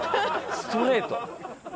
ストレート。